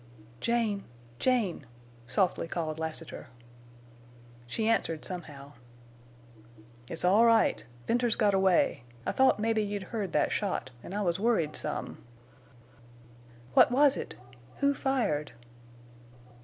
"Jane!... Jane!" softly called Lassiter. She answered somehow. "It's all right. Venters got away. I thought mebbe you'd heard that shot, en' I was worried some." "What was it—who fired?"